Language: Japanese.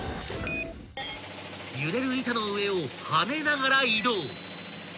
［揺れる板の上を跳ねながら移動］